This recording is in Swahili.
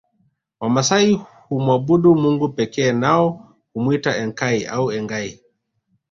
Wamasai humwabudu Mungu pekee nao humwita Enkai au Engai